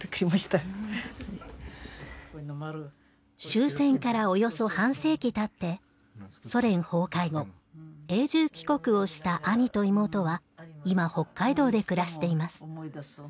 終戦からおよそ半世紀経ってソ連崩壊後永住帰国をした兄と妹は今北海道で暮らしています。